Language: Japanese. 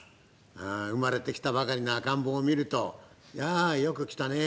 生まれてきたばかりの赤ん坊を見ると「やあよくきたねえ。